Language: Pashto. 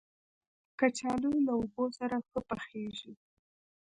کچالو له اوبو سره ښه پخېږي